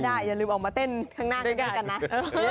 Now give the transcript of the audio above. ได้อย่าลืมออกมาเต้นทางหน้ากันกันนะ